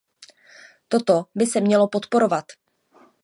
Toto by se mělo podporovat.